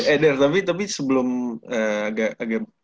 eh ner tapi tapi sebelum agak agak